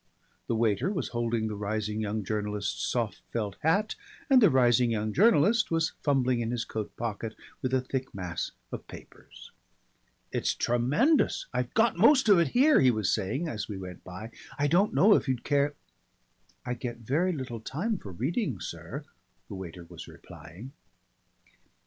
The waiter was holding the rising young journalist's soft felt hat and the rising young journalist was fumbling in his coat pocket with a thick mass of papers. "It's tremendous. I've got most of it here," he was saying as we went by. "I don't know if you'd care " "I get very little time for reading, sir," the waiter was replying.